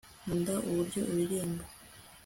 nkunda uburyo uririmba